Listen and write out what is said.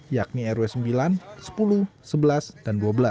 yakni rw sembilan sepuluh sebelas dan dua belas